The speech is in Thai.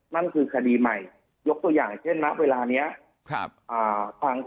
นั่นคือคดีใหม่ยกตัวอย่างเช่นนะเวลานี้ครับอ่า